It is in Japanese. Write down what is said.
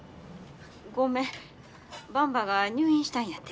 ばんばが入院したんやて。